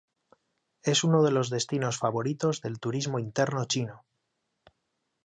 Es uno de los destinos favoritos del turismo interno chino.